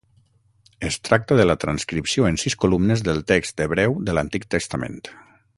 Es tracta de la transcripció en sis columnes del text hebreu de l'Antic Testament.